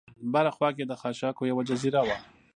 بره خوا کې د خاشاکو یوه جزیره وه.